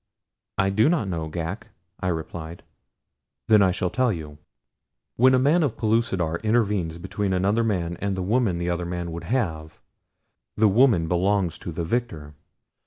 "I do not know, Ghak," I replied. "Then shall I tell you. When a man of Pellucidar intervenes between another man and the woman the other man would have, the woman belongs to the victor.